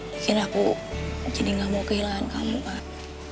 bikin aku jadi gak mau kehilangan kamu ah